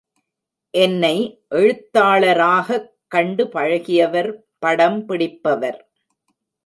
என்னை எழுத்தாளராகக் கண்டு பழகியவர் படம் பிடிப்பவர்.